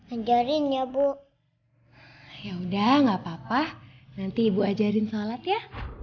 ajarin ya bu ya udah nggak papa nanti ibu ajarin shalat ya